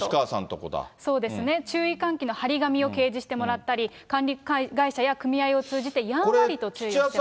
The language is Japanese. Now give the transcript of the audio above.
これ、そうですね、注意喚起の貼り紙を掲示してもらったり、管理会社や組合を通じてやんわりと注意してもらうと。